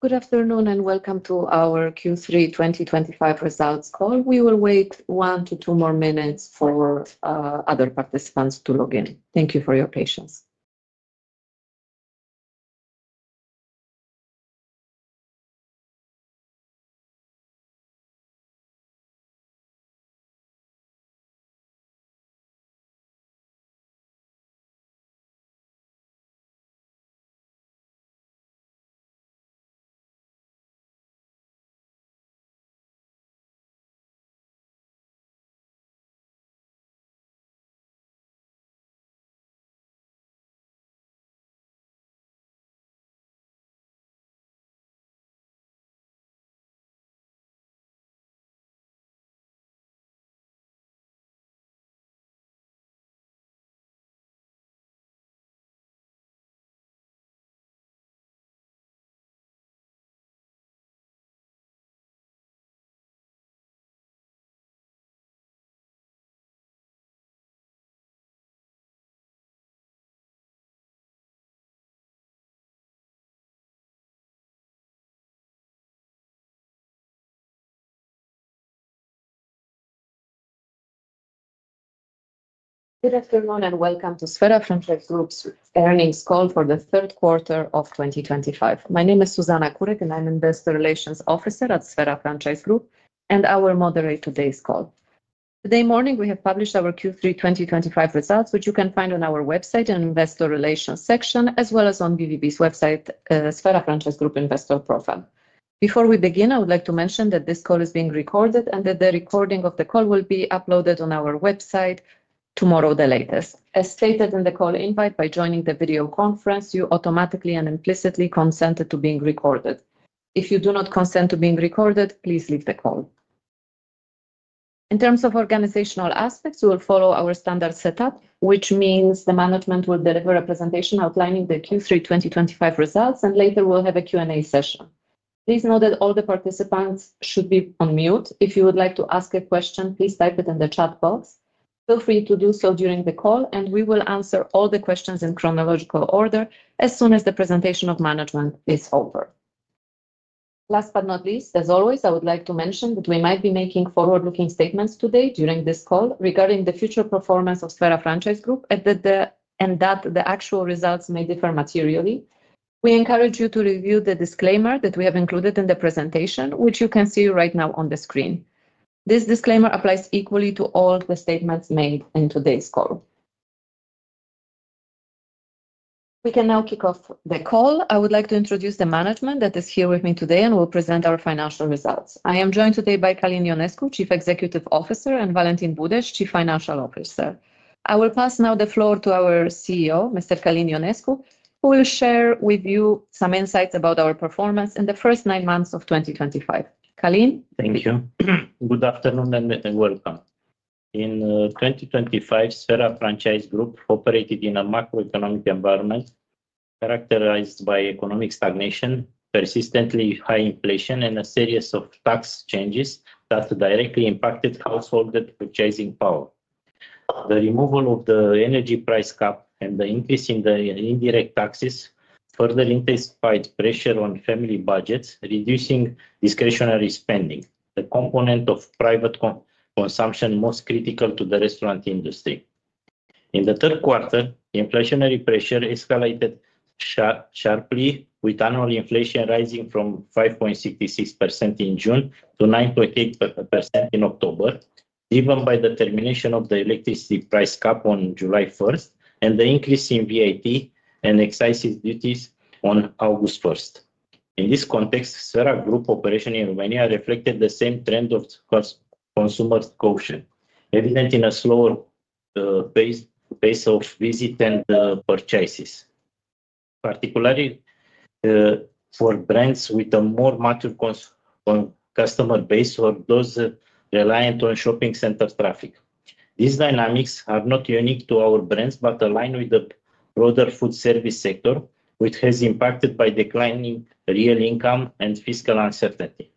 Good afternoon and welcome to our Q3 2025 results call. We will wait one to two more minutes for other participants to log in. Thank you for your patience. Good afternoon and welcome to Sphera Franchise Group's earnings call for the third quarter of 2025. My name is Zuzanna Kurek and I'm Investor Relations Officer at Sphera Franchise Group, and I will moderate today's call. Today morning, we have published our Q3 2025 results, which you can find on our website in the Investor Relations section, as well as on BVB's website, Sphera Franchise Group Investor Profile. Before we begin, I would like to mention that this call is being recorded and that the recording of the call will be uploaded on our website tomorrow the latest. As stated in the call invite, by joining the video conference, you automatically and implicitly consented to being recorded. If you do not consent to being recorded, please leave the call. In terms of organizational aspects, we will follow our standard setup, which means the management will deliver a presentation outlining the Q3 2025 results, and later we'll have a Q&A session. Please note that all the participants should be on mute. If you would like to ask a question, please type it in the chat box. Feel free to do so during the call, and we will answer all the questions in chronological order as soon as the presentation of management is over. Last but not least, as always, I would like to mention that we might be making forward-looking statements today during this call regarding the future performance of Sphera Franchise Group and that the actual results may differ materially. We encourage you to review the disclaimer that we have included in the presentation, which you can see right now on the screen. This disclaimer applies equally to all the statements made in today's call. We can now kick off the call. I would like to introduce the management that is here with me today and will present our financial results. I am joined today by Călin Ionescu, Chief Executive Officer, and Valentin Budeș, Chief Financial Officer. I will pass now the floor to our CEO, Mr. Călin Ionescu, who will share with you some insights about our performance in the first nine months of 2025. Călin. Thank you. Good afternoon and welcome. In 2025, Sphera Franchise Group operated in a macroeconomic environment characterized by economic stagnation, persistently high inflation, and a series of tax changes that directly impacted households' purchasing power. The removal of the energy price cap and the increase in the indirect taxes further intensified pressure on family budgets, reducing discretionary spending, the component of private consumption most critical to the restaurant industry. In the third quarter, inflationary pressure escalated sharply, with annual inflation rising from 5.66% in June to 9.8% in October, driven by the termination of the electricity price cap on July 1st and the increase in VAT and excise duties on August 1st. In this context, Sphera Group's operations in Romania reflected the same trend of consumer caution, evident in a slower pace of visit and purchases, particularly for brands with a more mature customer base or those reliant on shopping center traffic. These dynamics are not unique to our brands but align with the broader food service sector, which has been impacted by declining real income and fiscal uncertainty.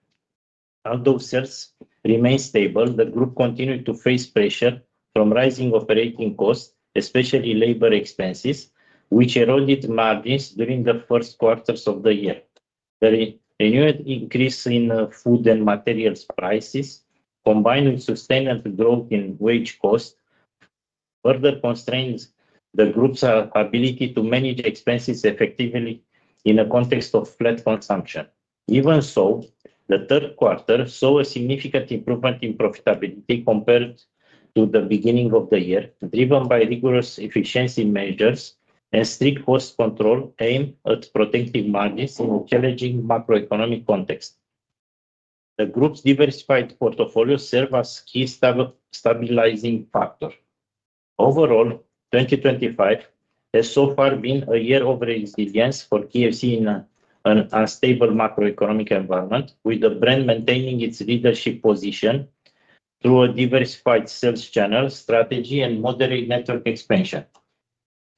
Although sales remained stable, the group continued to face pressure from rising operating costs, especially labor expenses, which eroded margins during the first quarters of the year. The renewed increase in food and materials prices, combined with sustained growth in wage costs, further constrained the group's ability to manage expenses effectively in a context of flat consumption. Even so, the third quarter saw a significant improvement in profitability compared to the beginning of the year, driven by rigorous efficiency measures and strict cost control aimed at protecting margins in a challenging macroeconomic context. The group's diversified portfolio serves as a key stabilizing factor. Overall, 2025 has so far been a year of resilience for KFC in an unstable macroeconomic environment, with the brand maintaining its leadership position through a diversified sales channel strategy and moderate network expansion.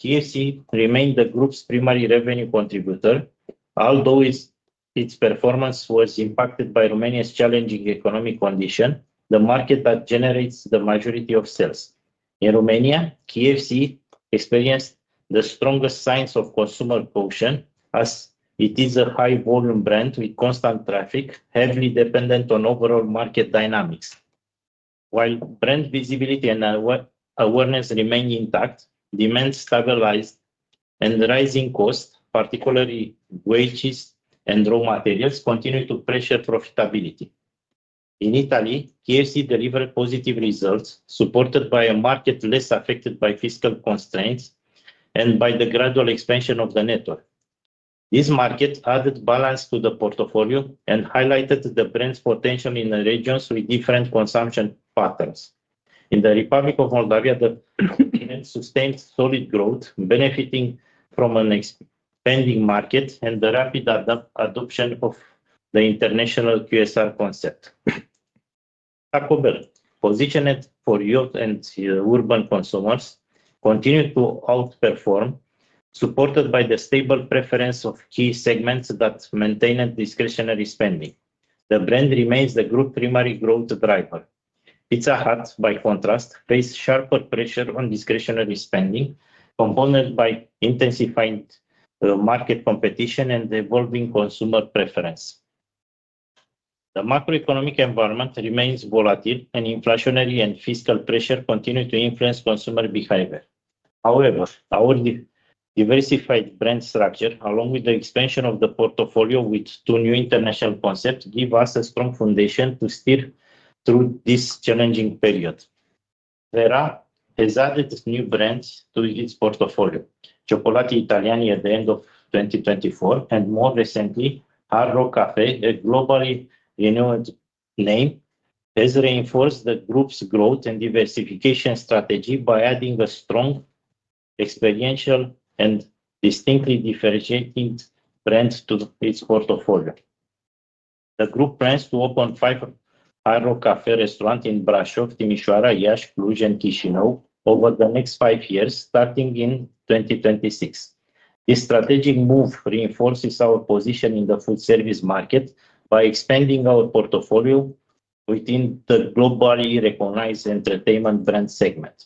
KFC remained the group's primary revenue contributor, although its performance was impacted by Romania's challenging economic condition, the market that generates the majority of sales. In Romania, KFC experienced the strongest signs of consumer caution as it is a high-volume brand with constant traffic, heavily dependent on overall market dynamics. While brand visibility and awareness remained intact, demand stabilized and rising costs, particularly wages and raw materials, continued to pressure profitability. In Italy, KFC delivered positive results, supported by a market less affected by fiscal constraints and by the gradual expansion of the network. This market added balance to the portfolio and highlighted the brand's potential in regions with different consumption patterns. In the Republic of Moldova, the brand sustained solid growth, benefiting from an expanding market and the rapid adoption of the international QSR concept. Taco Bell, positioned for youth and urban consumers, continued to outperform, supported by the stable preference of key segments that maintained discretionary spending. The brand remains the group's primary growth driver. Pizza Hut, by contrast, faced sharper pressure on discretionary spending, compounded by intensified market competition and evolving consumer preference. The macroeconomic environment remains volatile, and inflationary and fiscal pressure continue to influence consumer behavior. However, our diversified brand structure, along with the expansion of the portfolio with two new international concepts, gives us a strong foundation to steer through this challenging period. Sphera has added new brands to its portfolio, Cioccolatitaliani at the end of 2024, and more recently, Hard Rock Café, a globally renowned name, has reinforced the group's growth and diversification strategy by adding a strong, experiential, and distinctly differentiated brand to its portfolio. The group plans to open five Hard Rock Café restaurants in Brașov, Timișoara, Iași, Cluj, and Chișinău over the next five years, starting in 2026. This strategic move reinforces our position in the food service market by expanding our portfolio within the globally recognized entertainment brand segment.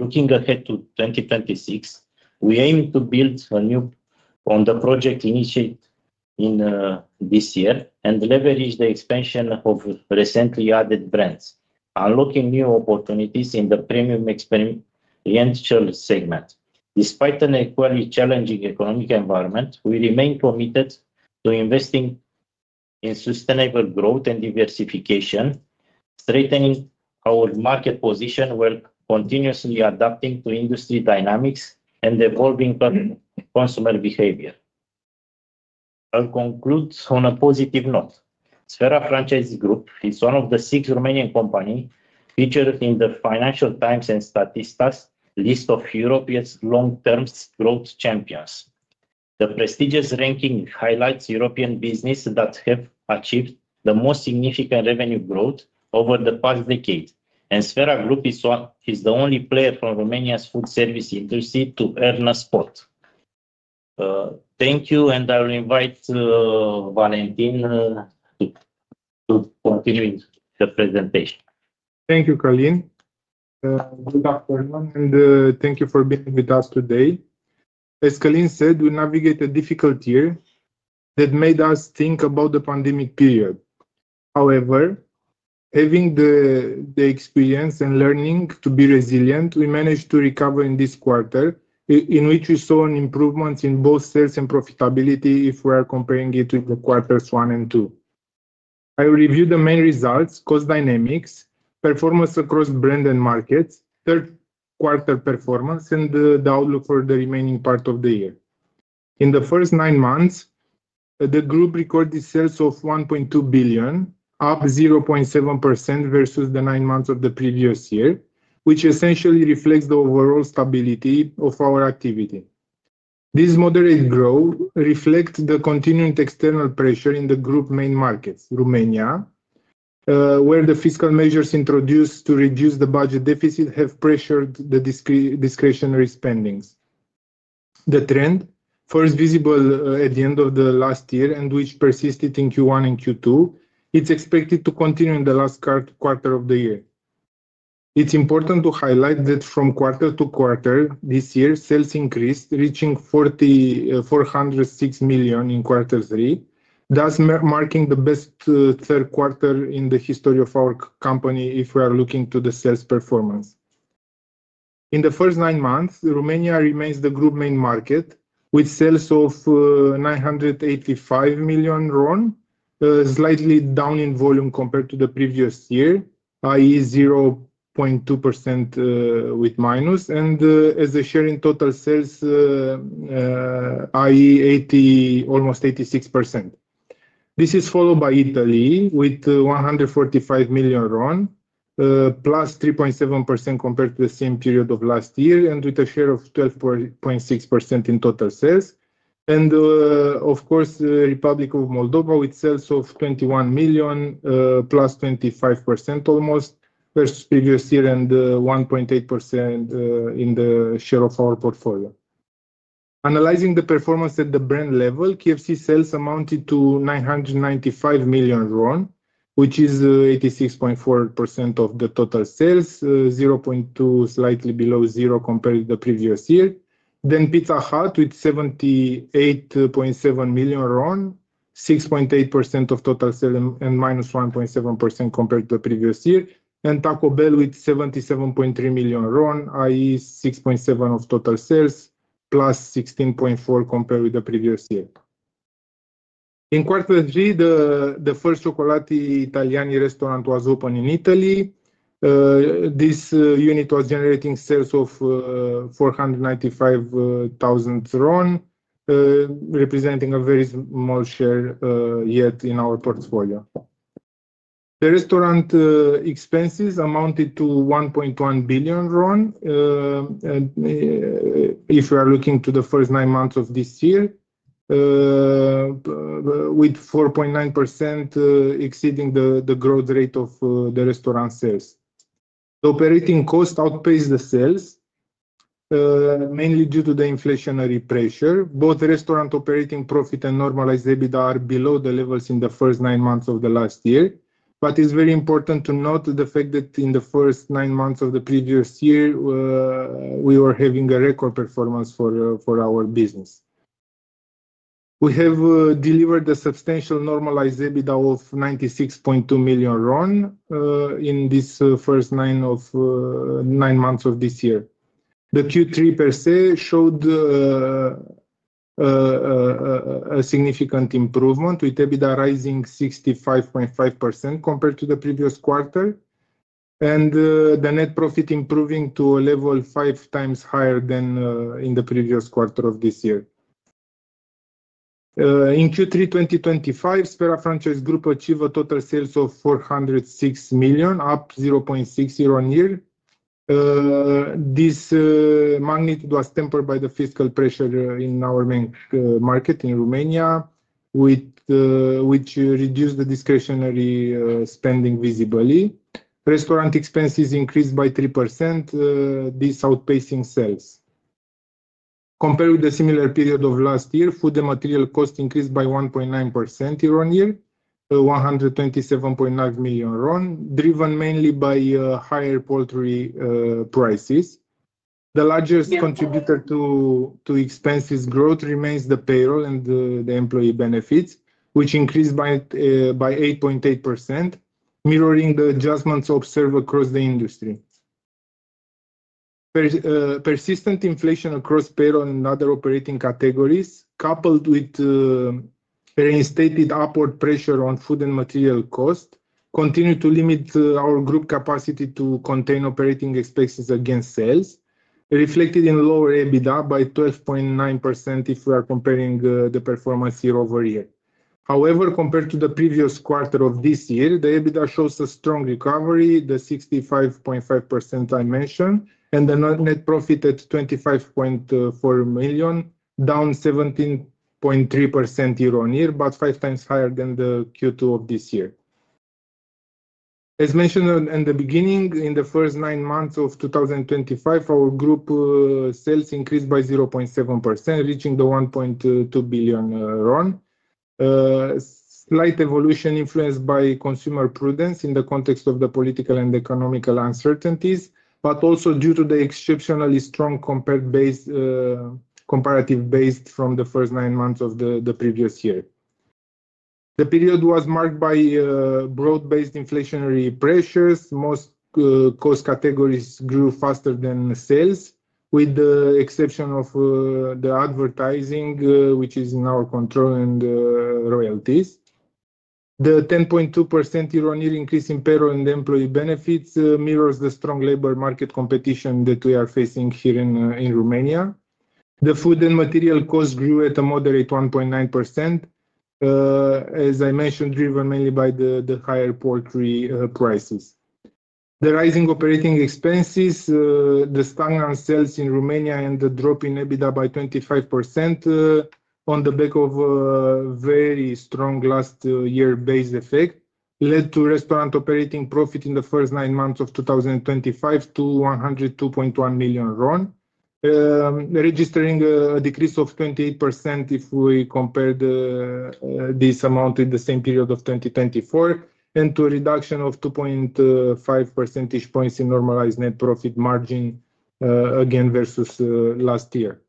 Looking ahead to 2026, we aim to build a new project initiated this year and leverage the expansion of recently added brands, unlocking new opportunities in the premium experiential segment. Despite an equally challenging economic environment, we remain committed to investing in sustainable growth and diversification, strengthening our market position while continuously adapting to industry dynamics and evolving consumer behavior. I'll conclude on a positive note. Sphera Franchise Group is one of the six Romanian companies featured in the Financial Times and Statista's list of Europe's long-term growth champions. The prestigious ranking highlights European businesses that have achieved the most significant revenue growth over the past decade, and Sphera Franchise Group is the only player from Romania's food service industry to earn a spot. Thank you, and I'll invite Valentin to continue the presentation. Thank you, Călin. Good afternoon, and thank you for being with us today. As Călin said, we navigated a difficult year that made us think about the pandemic period. However, having the experience and learning to be resilient, we managed to recover in this quarter, in which we saw improvements in both sales and profitability if we are comparing it to the quarters one and two. I will review the main results: cost dynamics, performance across brand and markets, third quarter performance, and the outlook for the remaining part of the year. In the first nine months, the group recorded sales of RON 1.2 billion, up 0.7% versus the nine months of the previous year, which essentially reflects the overall stability of our activity. This moderate growth reflects the continued external pressure in the group's main markets, Romania, where the fiscal measures introduced to reduce the budget deficit have pressured the discretionary spendings. The trend, first visible at the end of the last year and which persisted in Q1 and Q2, is expected to continue in the last quarter of the year. It's important to highlight that from quarter to quarter this year, sales increased, reaching RON 406 million in quarter three, thus marking the best third quarter in the history of our company if we are looking to the sales performance. In the first nine months, Romania remains the group's main market, with sales of RON 985 million, slightly down in volume compared to the previous year, i.e., 0.2% with minus, and as a share in total sales, i.e., almost 86%. This is followed by Italy with RON 145 million, plus 3.7% compared to the same period of last year, and with a share of 12.6% in total sales. Of course, the Republic of Moldova with sales of RON 21 million, plus almost 25% versus previous year and 1.8% in the share of our portfolio. Analyzing the performance at the brand level, KFC's sales amounted to RON 995 million, which is 86.4% of the total sales, 0.2% slightly below zero compared to the previous year. Pizza Hut with RON 78.7 million, 6.8% of total sales and -1.7% compared to the previous year. Taco Bell with RON 77.3 million, i.e., 6.7% of total sales, +16.4% compared with the previous year. In quarter three, the first Cioccolatitaliani restaurant was opened in Italy. This unit was generating sales of RON 495,000, representing a very small share yet in our portfolio. The restaurant expenses amounted to RON 1.1 billion if we are looking to the first nine months of this year, with 4.9% exceeding the growth rate of the restaurant sales. Operating costs outpaced the sales, mainly due to the inflationary pressure. Both restaurant operating profit and normalized EBITDA are below the levels in the first nine months of the last year, but it's very important to note the fact that in the first nine months of the previous year, we were having a record performance for our business. We have delivered a substantial normalized EBITDA of RON 96.2 million in these first nine months of this year. The Q3 per se showed a significant improvement, with EBITDA rising 65.5% compared to the previous quarter, and the net profit improving to a level five times higher than in the previous quarter of this year. In Q3 2025, Sphera Franchise Group achieved a total sales of RON 406 million, up 0.6% year on year. This magnitude was tempered by the fiscal pressure in our main market in Romania, which reduced the discretionary spending visibly. Restaurant expenses increased by 3%, outpacing sales. Compared with the similar period of last year, food and material costs increased by 1.9% year on year, RON 127.9 million, driven mainly by higher poultry prices. The largest contributor to expenses growth remains the payroll and the employee benefits, which increased by 8.8%, mirroring the adjustments observed across the industry. Persistent inflation across payroll and other operating categories, coupled with reinstated upward pressure on food and material costs, continued to limit our group's capacity to contain operating expenses against sales, reflected in lower EBITDA by 12.9% if we are comparing the performance year over year. However, compared to the previous quarter of this year, the EBITDA shows a strong recovery, the 65.5% I mentioned, and the net profit at RON 25.4 million, down 17.3% year on year, but five times higher than the Q2 of this year. As mentioned in the beginning, in the first nine months of 2025, our group sales increased by 0.7%, reaching RON 1.2 billion. Slight evolution influenced by consumer prudence in the context of the political and economical uncertainties, but also due to the exceptionally strong comparative base from the first nine months of the previous year. The period was marked by broad-based inflationary pressures. Most cost categories grew faster than sales, with the exception of the advertising, which is in our control, and royalties. The 10.2% year-on-year increase in payroll and employee benefits mirrors the strong labor market competition that we are facing here in Romania. The food and material costs grew at a moderate 1.9%, as I mentioned, driven mainly by the higher poultry prices. The rising operating expenses, the stagnant sales in Romania, and the drop in EBITDA by 25% on the back of a very strong last-year base effect led to restaurant operating profit in the first nine months of 2025 to RON 102.1 million, registering a decrease of 28% if we compare this amount in the same period of 2024, and to a reduction of 2.5 percentage points in normalized net profit margin, again versus last year.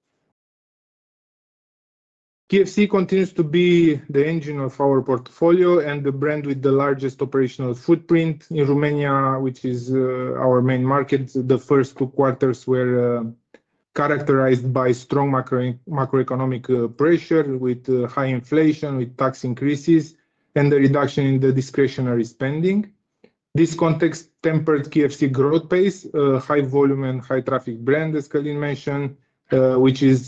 KFC continues to be the engine of our portfolio and the brand with the largest operational footprint in Romania, which is our main market. The first two quarters were characterized by strong macroeconomic pressure, with high inflation, with tax increases, and the reduction in the discretionary spending. This context tempered KFC's growth pace, high volume and high traffic brand, as Călin mentioned, which is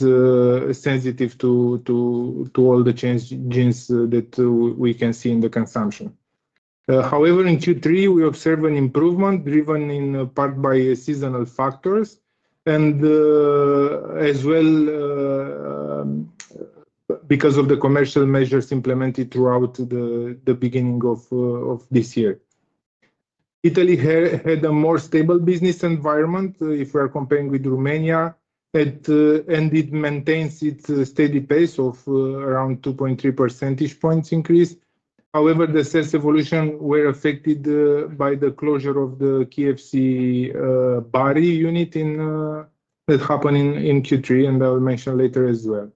sensitive to all the changes that we can see in the consumption. However, in Q3, we observed an improvement driven in part by seasonal factors, and as well because of the commercial measures implemented throughout the beginning of this year. Italy had a more stable business environment if we are comparing with Romania, and it maintains its steady pace of around 2.3 percentage points increase. However, the sales evolution was affected by the closure of the KFC Bari unit that happened in Q3, and I will mention later as well.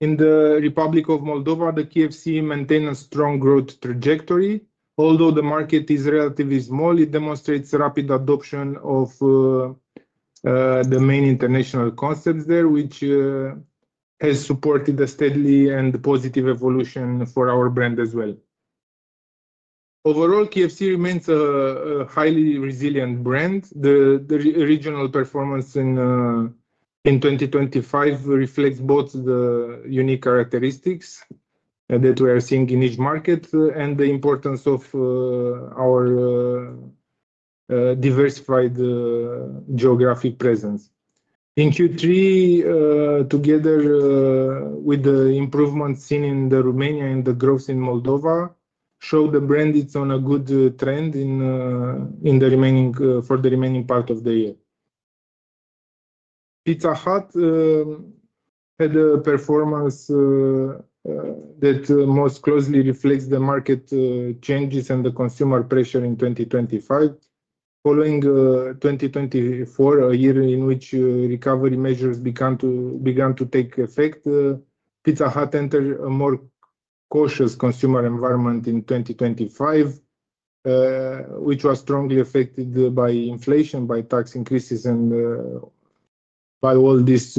In the Republic of Moldova, the KFC maintained a strong growth trajectory. Although the market is relatively small, it demonstrates rapid adoption of the main international concepts there, which has supported a steady and positive evolution for our brand as well. Overall, KFC remains a highly resilient brand. The regional performance in 2025 reflects both the unique characteristics that we are seeing in each market and the importance of our diversified geographic presence. In Q3, together with the improvements seen in Romania and the growth in Moldova, showed the brand is on a good trend for the remaining part of the year. Pizza Hut had a performance that most closely reflects the market changes and the consumer pressure in 2025. Following 2024, a year in which recovery measures began to take effect, Pizza Hut entered a more cautious consumer environment in 2025, which was strongly affected by inflation, by tax increases, and by all these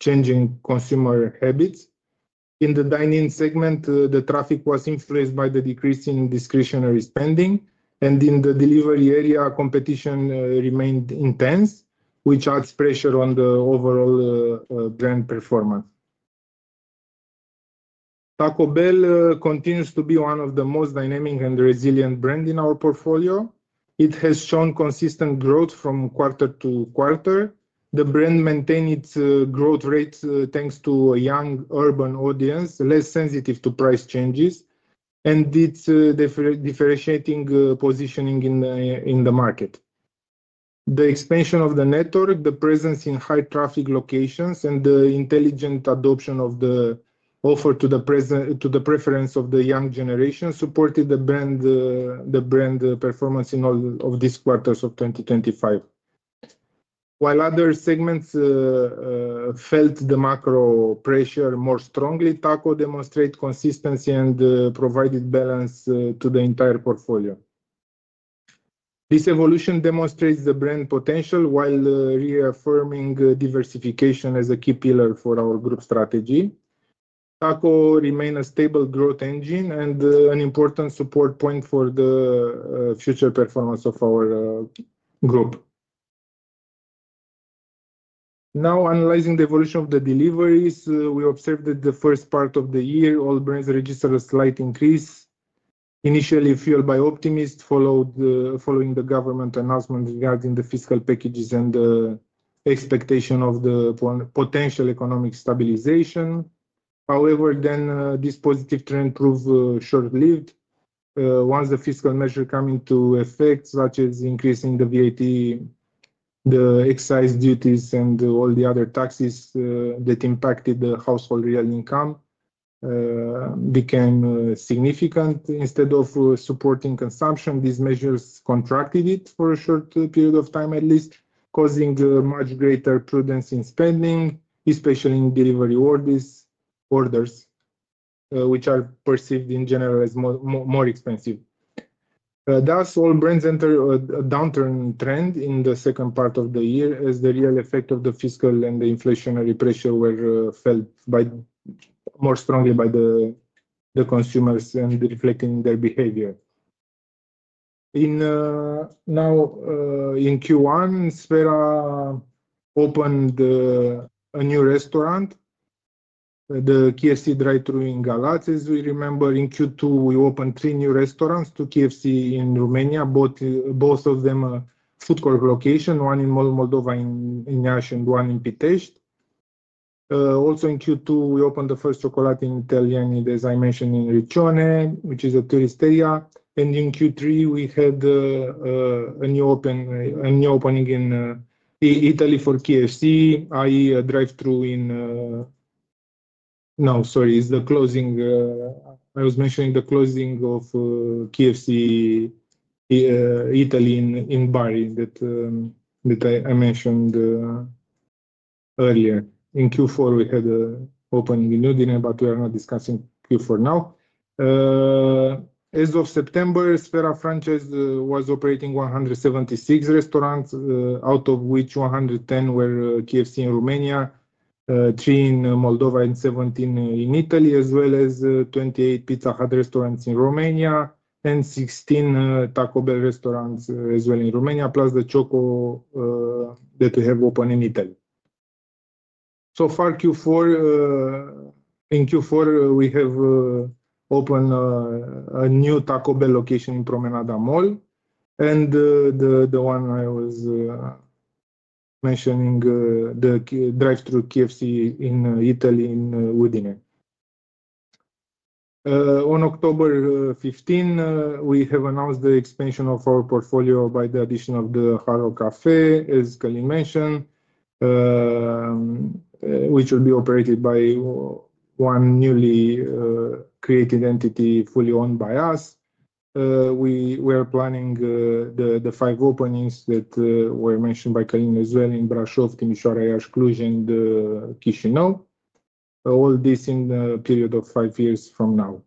changing consumer habits. In the dine-in segment, the traffic was influenced by the decrease in discretionary spending, and in the delivery area, competition remained intense, which adds pressure on the overall brand performance. Taco Bell continues to be one of the most dynamic and resilient brands in our portfolio. It has shown consistent growth from quarter to quarter. The brand maintained its growth rate thanks to a young urban audience, less sensitive to price changes, and its differentiating positioning in the market. The expansion of the network, the presence in high-traffic locations, and the intelligent adoption of the offer to the preference of the young generation supported the brand performance in all of these quarters of 2025. While other segments felt the macro pressure more strongly, Taco demonstrated consistency and provided balance to the entire portfolio. This evolution demonstrates the brand potential while reaffirming diversification as a key pillar for our group strategy. Taco remains a stable growth engine and an important support point for the future performance of our group. Now, analyzing the evolution of the deliveries, we observed that the first part of the year, all brands registered a slight increase, initially fueled by optimism following the government announcement regarding the fiscal packages and the expectation of the potential economic stabilization. However, then this positive trend proved short-lived. Once the fiscal measures came into effect, such as increasing the VAT, the excise duties, and all the other taxes that impacted the household real income became significant. Instead of supporting consumption, these measures contracted it for a short period of time, at least, causing much greater prudence in spending, especially in delivery orders, which are perceived in general as more expensive. Thus, all brands entered a downturn trend in the second part of the year as the real effect of the fiscal and the inflationary pressure were felt more strongly by the consumers and reflected in their behavior. Now, in Q1, Sphera opened a new restaurant, the KFC Drive-Thru in Galați, as we remember. In Q2, we opened three new restaurants to KFC in Romania, both of them a food court location, one in Moldova in Iași and one in Pitești. Also, in Q2, we opened the first Cioccolatitaliani, as I mentioned, in Riccione, which is a tourist area. In Q3, we had a new opening in Italy for KFC, i.e., a drive-thru in—no, sorry, it's the closing. I was mentioning the closing of KFC Italy in Bari that I mentioned earlier. In Q4, we had an opening in Udine, but we are not discussing Q4 now. As of September, Sphera Franchise Group was operating 176 restaurants, out of which 110 were KFC in Romania, 3 in Moldova, and 17 in Italy, as well as 28 Pizza Hut restaurants in Romania and 16 Taco Bell restaurants as well in Romania, plus the Cioccolatitaliani that we have opened in Italy. So far, in Q4, we have opened a new Taco Bell location in Promenada Mall and the one I was mentioning, the drive-thru KFC in Italy in Udine. On October 15, we have announced the expansion of our portfolio by the addition of the Hard Rock Café, as Călin mentioned, which will be operated by one newly created entity fully owned by us. We are planning the five openings that were mentioned by Călin as well in Brașov, Timișoara, Iași, Cluj, and Chișinău, all this in the period of five years from now.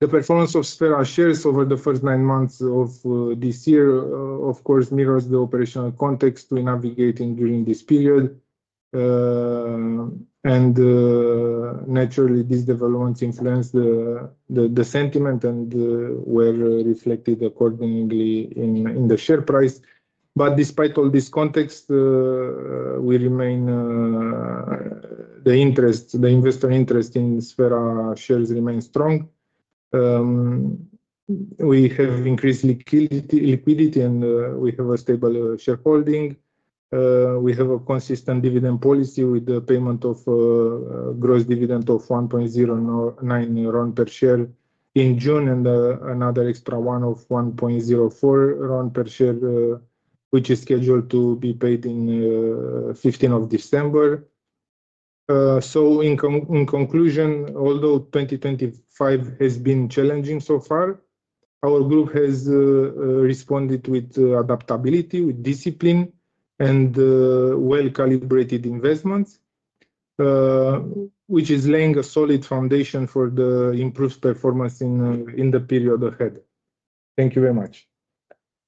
The performance of Sphera shares over the first nine months of this year, of course, mirrors the operational context we navigated during this period. Naturally, these developments influenced the sentiment and were reflected accordingly in the share price. Despite all this context, the investor interest in Sphera shares remains strong. We have increased liquidity, and we have a stable shareholding. We have a consistent dividend policy with the payment of gross dividend of RON 1.09 per share in June and another extra one of RON 1.04 per share, which is scheduled to be paid in 15th of December. In conclusion, although 2025 has been challenging so far, our group has responded with adaptability, with discipline, and well-calibrated investments, which is laying a solid foundation for the improved performance in the period ahead. Thank you very much.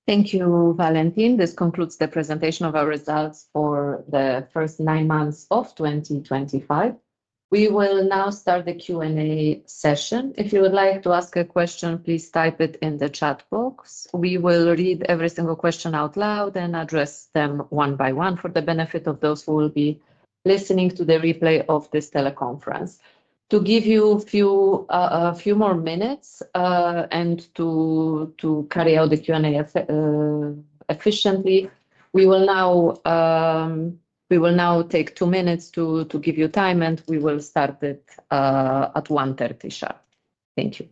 Thank you, Valentin. This concludes the presentation of our results for the first nine months of 2025. We will now start the Q&A session. If you would like to ask a question, please type it in the chat box. We will read every single question out loud and address them one by one for the benefit of those who will be listening to the replay of this teleconference. To give you a few more minutes and to carry out the Q&A efficiently, we will now take two minutes to give you time, and we will start it at 1:30 sharp. Thank you.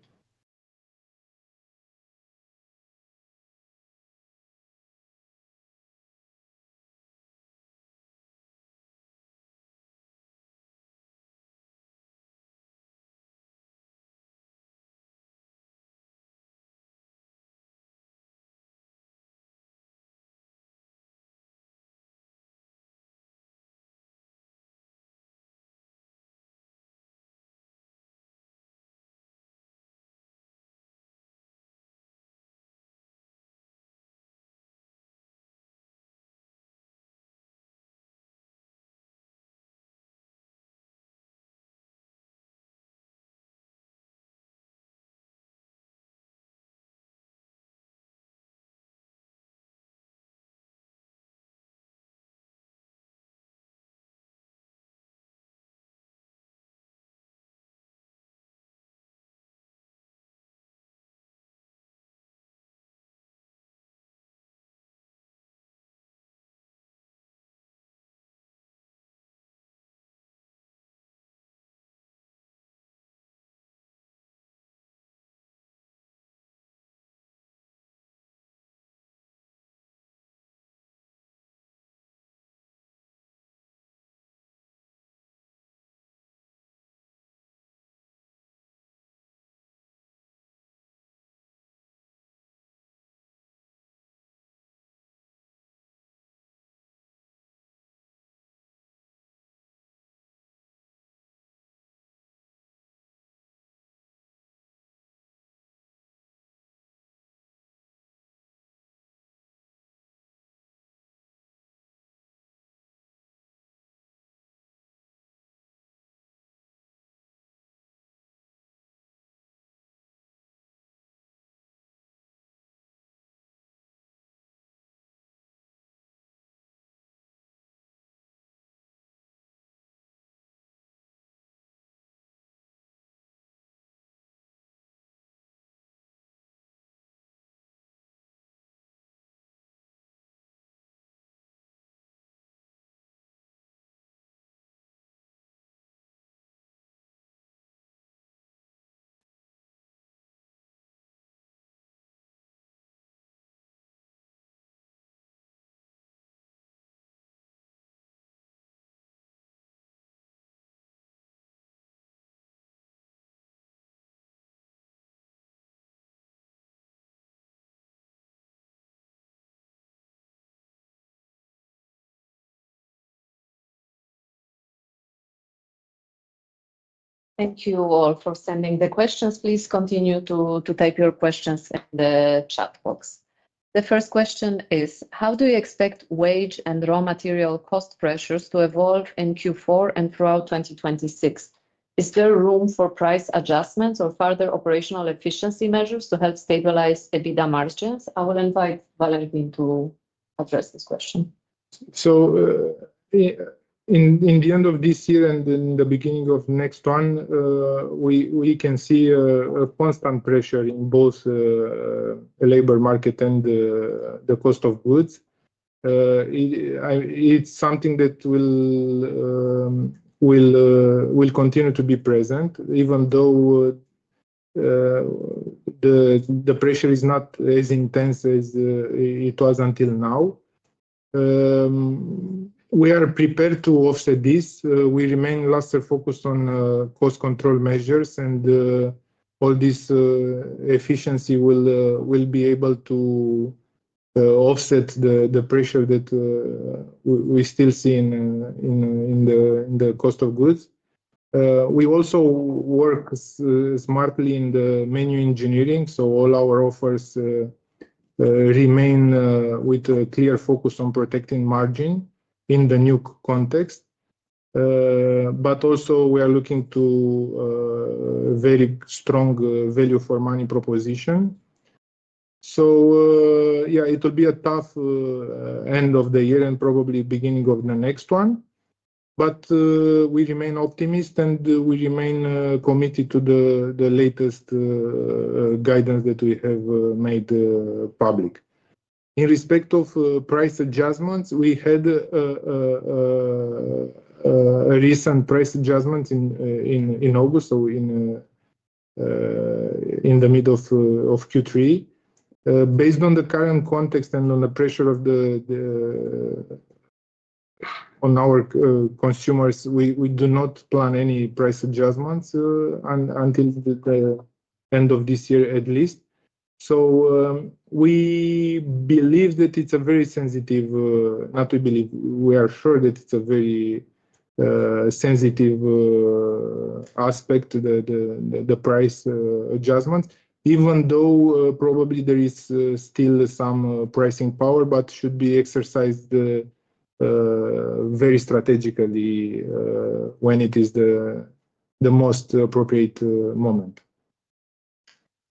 Thank you all for sending the questions. Please continue to type your questions in the chat box. The first question is, how do you expect wage and raw material cost pressures to evolve in Q4 and throughout 2026? Is there room for price adjustments or further operational efficiency measures to help stabilize EBITDA margins? I will invite Valentin to address this question. In the end of this year and in the beginning of next one, we can see a constant pressure in both the labor market and the cost of goods. It is something that will continue to be present, even though the pressure is not as intense as it was until now. We are prepared to offset this. We remain laser-focused on cost control measures, and all this efficiency will be able to offset the pressure that we still see in the cost of goods. We also work smartly in the menu engineering, so all our offers remain with a clear focus on protecting margin in the new context. We are also looking to a very strong value-for-money proposition. Yeah, it will be a tough end of the year and probably beginning of the next one. We remain optimistic, and we remain committed to the latest guidance that we have made public. In respect of price adjustments, we had a recent price adjustment in August, in the middle of Q3. Based on the current context and on the pressure on our consumers, we do not plan any price adjustments until the end of this year, at least. So we believe that it's a very sensitive—not we believe, we are sure that it's a very sensitive aspect, the price adjustment, even though probably there is still some pricing power, but should be exercised very strategically when it is the most appropriate moment.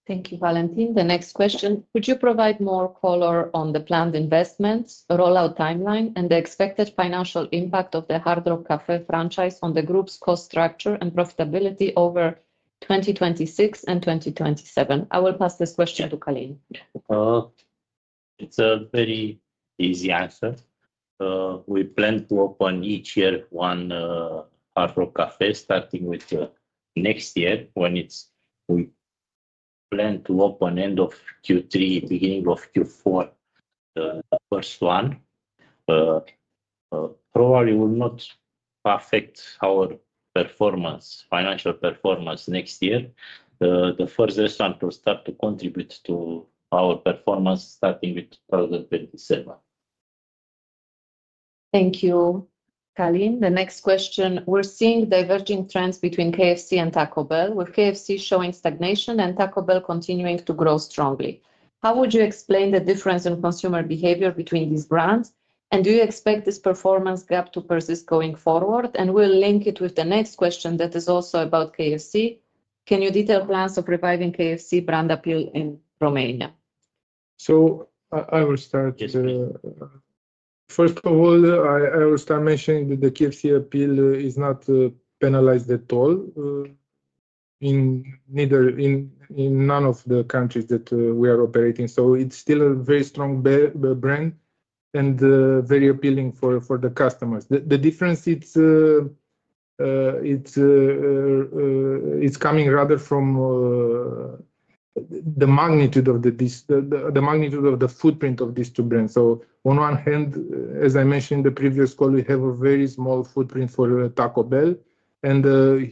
Thank you, Valentin. The next question. Could you provide more color on the planned investments, rollout timeline, and the expected financial impact of the Hard Rock Café franchise on the group's cost structure and profitability over 2026 and 2027? I will pass this question to Călin. It's a very easy answer. We plan to open each year one Hard Rock Café, starting with next year when we plan to open end of Q3, beginning of Q4, the first one. Probably will not affect our financial performance next year. The first restaurant will start to contribute to our performance starting with 2027. Thank you, Călin. The next question. We're seeing diverging trends between KFC and Taco Bell, with KFC showing stagnation and Taco Bell continuing to grow strongly. How would you explain the difference in consumer behavior between these brands? Do you expect this performance gap to persist going forward? We'll link it with the next question that is also about KFC. Can you detail plans of reviving KFC brand appeal in Romania? I will start. First of all, I will start mentioning that the KFC appeal is not penalized at all in none of the countries that we are operating. It is still a very strong brand and very appealing for the customers. The difference, it's coming rather from the magnitude of the footprint of these two brands. On one hand, as I mentioned in the previous call, we have a very small footprint for Taco Bell and a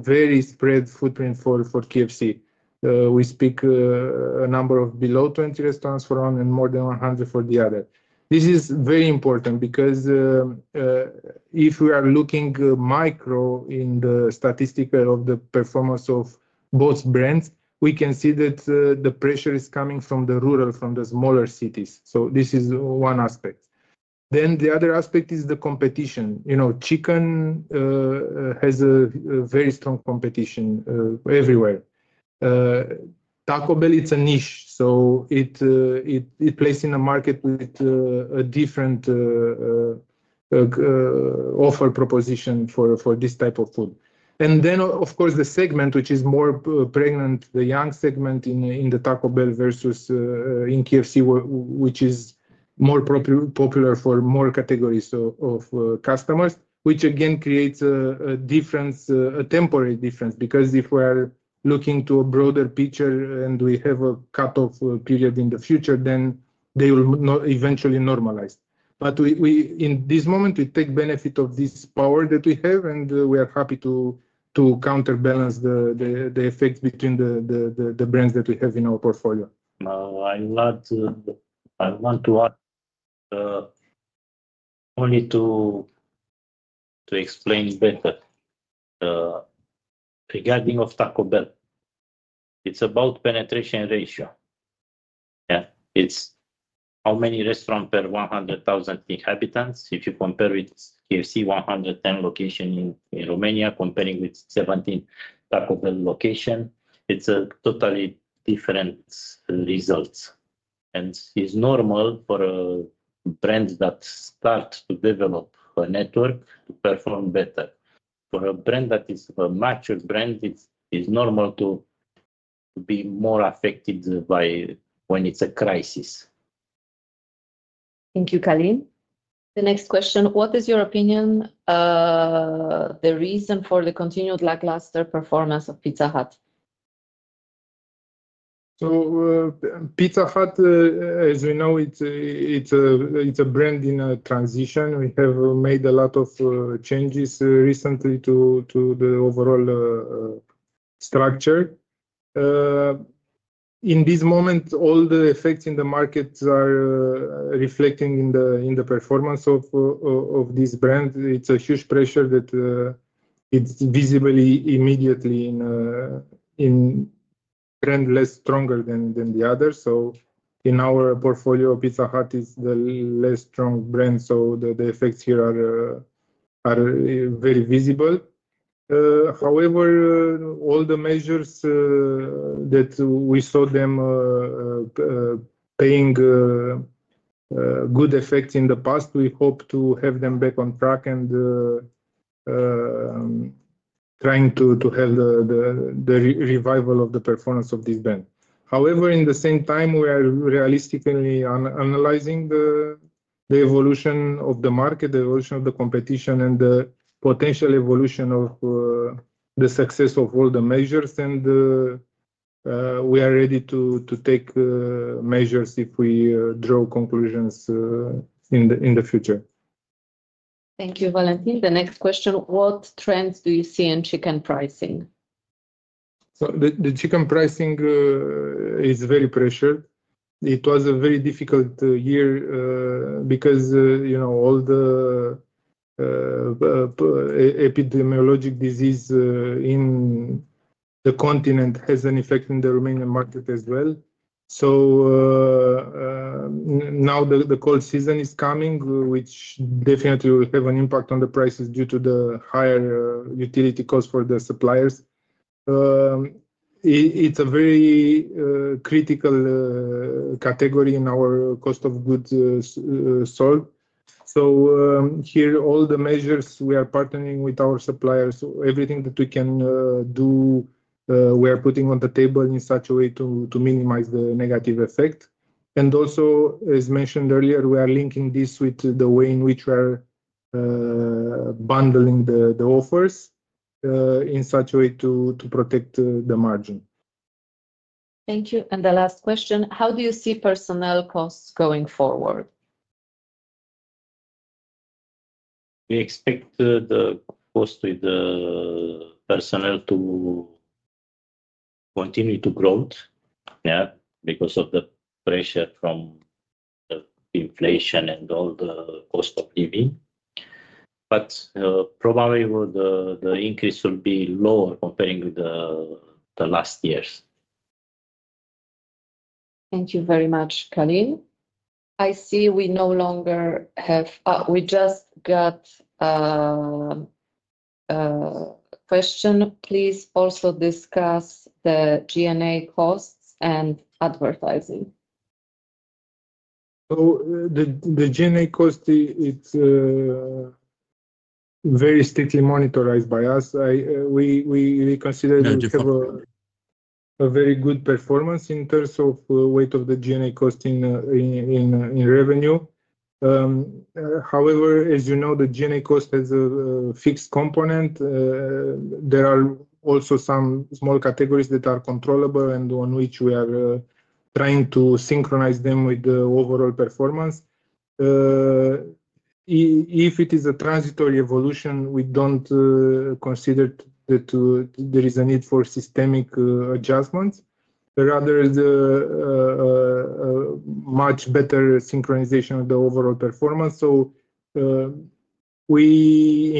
very spread footprint for KFC. We speak a number of below 20 restaurants for one and more than 100 for the other. This is very important because if we are looking micro in the statistical of the performance of both brands, we can see that the pressure is coming from the rural, from the smaller cities. This is one aspect. The other aspect is the competition. Chicken has a very strong competition everywhere. Taco Bell, it's a niche, so it plays in a market with a different offer proposition for this type of food. Of course, the segment which is more pregnant, the young segment in the Taco Bell versus in KFC, which is more popular for more categories of customers, which again creates a temporary difference because if we are looking to a broader picture and we have a cut-off period in the future, they will eventually normalize. In this moment, we take benefit of this power that we have, and we are happy to counterbalance the effects between the brands that we have in our portfolio. I want only to explain better regarding Taco Bell. It's about penetration ratio. Yeah, it's how many restaurants per 100,000 inhabitants. If you compare with KFC, 110 locations in Romania, comparing with 17 Taco Bell locations, it's a totally different result. It's normal for a brand that starts to develop a network to perform better. For a brand that is a mature brand, it's normal to be more affected when it's a crisis. Thank you, Călin. The next question. What is your opinion, the reason for the continued lackluster performance of Pizza Hut? So Pizza Hut, as we know, it's a brand in a transition. We have made a lot of changes recently to the overall structure. In this moment, all the effects in the market are reflecting in the performance of this brand. It's a huge pressure that it's visibly immediately in brand less stronger than the others. In our portfolio, Pizza Hut is the less strong brand, so the effects here are very visible. However, all the measures that we saw them paying good effect in the past, we hope to have them back on track and trying to have the revival of the performance of this brand. However, at the same time, we are realistically analyzing the evolution of the market, the evolution of the competition, and the potential evolution of the success of all the measures, and we are ready to take measures if we draw conclusions in the future. Thank you, Valentin. The next question. What trends do you see in chicken pricing? The chicken pricing is very pressured. It was a very difficult year because all the epidemiologic disease in the continent has an effect in the Romanian market as well. Now the cold season is coming, which definitely will have an impact on the prices due to the higher utility costs for the suppliers. It is a very critical category in our cost of goods sold. Here, all the measures we are partnering with our suppliers, everything that we can do, we are putting on the table in such a way to minimize the negative effect. Also, as mentioned earlier, we are linking this with the way in which we are bundling the offers in such a way to protect the margin. Thank you. The last question. How do you see personnel costs going forward? We expect the cost with the personnel to continue to grow, yeah, because of the pressure from inflation and all the cost of living. Probably the increase will be lower comparing with the last years. Thank you very much, Călin. I see we no longer have—we just got a question. Please also discuss the G&A costs and advertising. The G&A cost, it's very strictly monitored by us. We consider it to have a very good performance in terms of weight of the G&A cost in revenue. However, as you know, the G&A cost has a fixed component. There are also some small categories that are controllable and on which we are trying to synchronize them with the overall performance. If it is a transitory evolution, we do not consider that there is a need for systemic adjustments. Rather, it is a much better synchronization of the overall performance. In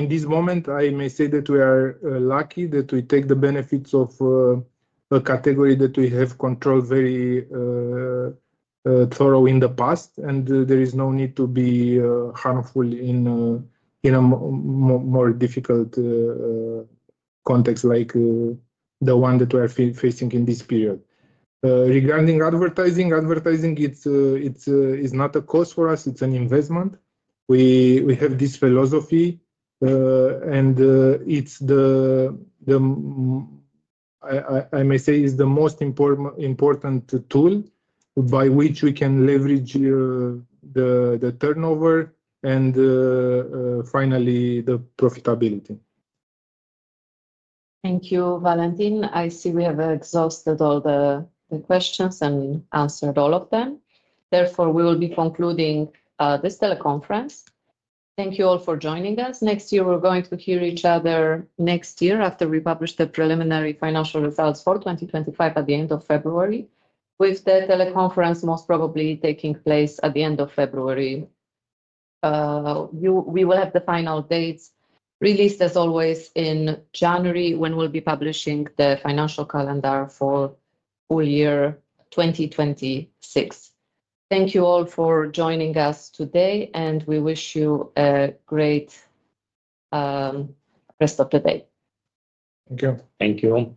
this moment, I may say that we are lucky that we take the benefits of a category that we have controlled very thoroughly in the past, and there is no need to be harmful in a more difficult context like the one that we are facing in this period. Regarding advertising, advertising is not a cost for us. It is an investment. We have this philosophy, and I may say it's the most important tool by which we can leverage the turnover and finally the profitability. Thank you, Valentin. I see we have exhausted all the questions and answered all of them. Therefore, we will be concluding this teleconference. Thank you all for joining us. Next year, we're going to hear each other next year after we publish the preliminary financial results for 2025 at the end of February, with the teleconference most probably taking place at the end of February. We will have the final dates released, as always, in January when we'll be publishing the financial calendar for full year 2026. Thank you all for joining us today, and we wish you a great rest of the day. Thank you. Thank you.